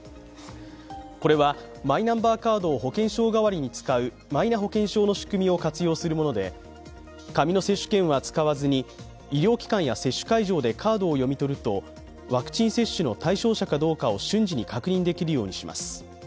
これは、マイナンバーカードを保険証代わりに使うマイナ保険証の仕組みを活用するもので、紙の接種券は使わずに、医療機関や接種会場でカードを読み取るとワクチン接種の対象者かどうかを瞬時に確認できるようにします。